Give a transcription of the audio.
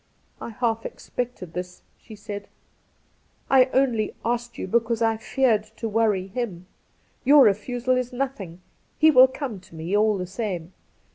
' I half expected this,' she said. ' I only asked you because I feared to worry him. Your refusal is nothing. He wUl come to me all the same.